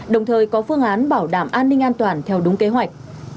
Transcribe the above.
đồng thời có phương án bảo đảm an ninh an toàn theo đúng kế hoạch